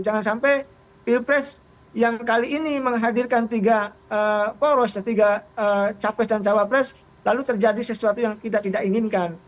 jangan sampai pilpres yang kali ini menghadirkan tiga poros ketiga capres dan cawapres lalu terjadi sesuatu yang kita tidak inginkan